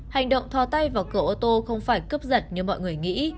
hành động thò tay vào cửa ô tô không phải cướp giật như mọi người nghĩ